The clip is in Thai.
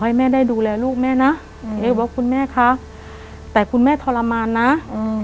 ให้แม่ได้ดูแลลูกแม่นะอืมเอ๊บอกคุณแม่คะแต่คุณแม่ทรมานนะอืม